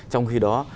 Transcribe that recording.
trong khi đó